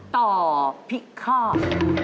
ต่อพิฆาต